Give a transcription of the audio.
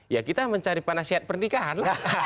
ya kita mencari penasihat pernikahan